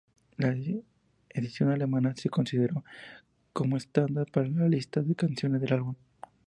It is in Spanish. La edición alemana se consideró como estándar para la lista de canciones del álbum.